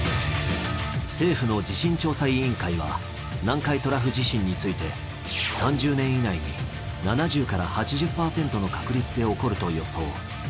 政府の地震調査委員会は南海トラフ地震について３０年以内に７０から８０％の確率で起こると予想。